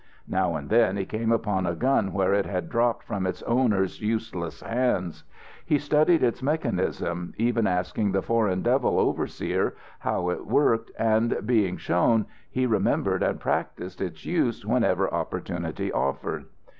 Now and then he came upon a gun where it had dropped from its owner's useless hands. He studied its mechanism, even asking the Foreign Devil overseer how it was worked, and, being shown, he remembered and practised its use whenever opportunity offered.